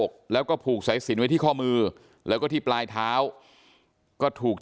อกแล้วก็ผูกสายสินไว้ที่ข้อมือแล้วก็ที่ปลายเท้าก็ถูก